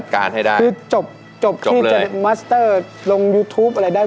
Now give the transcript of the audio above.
คือจบจบที่จะมัสเตอร์ลงยูทูปอะไรได้